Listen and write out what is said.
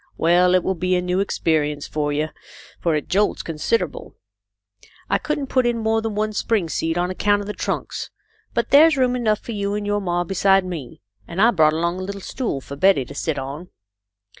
Well, it will be a new experience for you, for it jolts considerable. I couldn't put in more than one spring seat on account of the trunks, but there's room enough for you and your ma beside me, and I brought along a little stool for Betty to sit on."